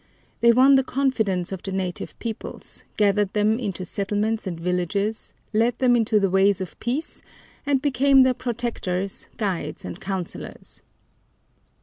They won the confidence of the native peoples, gathered them into settlements and villages, led them into the ways of peace, and became their protectors, guides, and counselors.